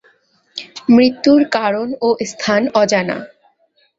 মৃত্যুর কারণ ও স্থান অজানা।